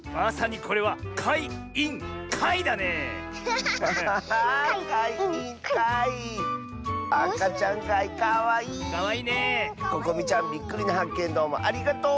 ここみちゃんびっくりなはっけんどうもありがとう！